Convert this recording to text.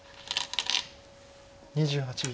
２８秒。